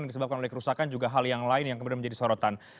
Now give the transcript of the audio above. yang disebabkan oleh kerusakan juga hal yang lain yang kemudian menjadi sorotan